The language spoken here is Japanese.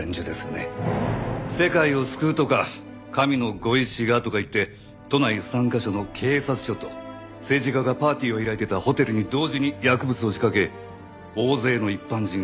「世界を救う」とか「神のご意志が」とかいって都内３カ所の警察署と政治家がパーティーを開いてたホテルに同時に薬物を仕掛け大勢の一般人が巻き込まれた。